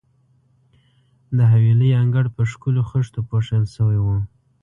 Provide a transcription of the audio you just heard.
د حویلۍ انګړ په ښکلو خښتو پوښل شوی وو.